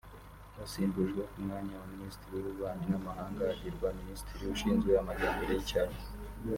wasimbujwe ku mwanya wa Ministiri w’ububanyi n’amahanga agirwa Ministiri ushinzwe amajyambere y’icyaro